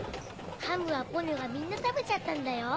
ハムはポニョがみんな食べちゃったんだよ。